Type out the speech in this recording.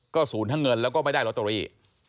ศูนย์ทั้งเงินแล้วก็ไม่ได้ลอตเตอรี่